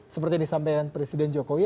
seperti yang disampaikan presiden jokowi